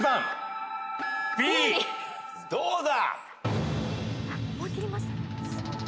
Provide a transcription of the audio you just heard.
どうだ？